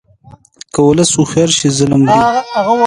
که ولس هوښیار شي، ظلم مري.